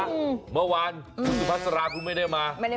เมื่อวานสุภัศราคุณไม่ได้มา